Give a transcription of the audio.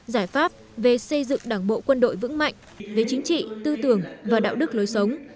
giải pháp về xây dựng đảng bộ quân đội vững mạnh về chính trị tư tưởng và đạo đức lối sống